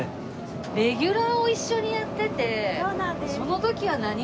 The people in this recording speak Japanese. レギュラーを一緒にやっててその時は何もなく。